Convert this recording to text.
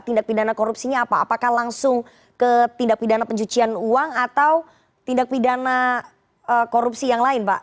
tindak pidana korupsinya apa apakah langsung ke tindak pidana pencucian uang atau tindak pidana korupsi yang lain pak